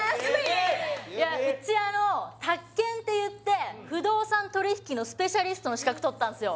いやうちあの宅建っていって不動産取引のスペシャリストの資格取ったんすよ